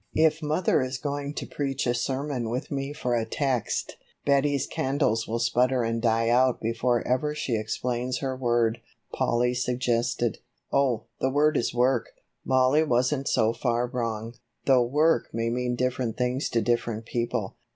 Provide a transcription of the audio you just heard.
"If mother is going to preach a sermon with me for a text, Betty's candles will sputter and die out before ever she explains her word," Polly suggested. "Oh, the word is 'work'; Mollie wasn't so far wrong, though work may mean different things to different people.